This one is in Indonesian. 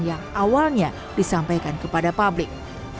yang awalnya disampaikan kepada publik